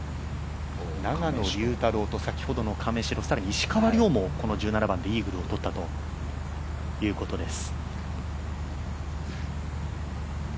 永野竜太郎と先ほどの亀代、そして石川遼もこの１７番でイーグルを取ったということです。